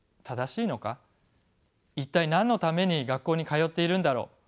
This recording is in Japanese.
一体何のために学校に通っているんだろう？